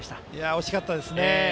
惜しかったですね。